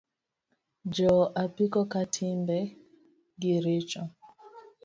Jo apiko ka timbe gi richo